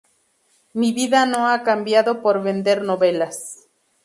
Mi vida no ha cambiado por vender novelas.